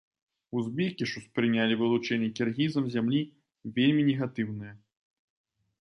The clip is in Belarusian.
Узбекі ж успрынялі вылучэнне кіргізам зямлі вельмі негатыўнае.